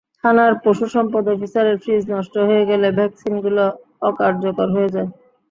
থানার পশুসম্পদ অফিসারের ফ্রিজ নষ্ট হয়ে গেলে ভ্যাকসিনগুলো অকার্যকর হয়ে যায়।